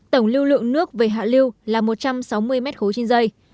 tổng lưu lượng nước về hạ lưu là một trăm sáu mươi m ba trên dây